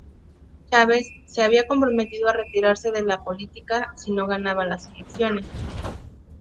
Chaves se había comprometido a retirarse de la política si no ganaba las elecciones.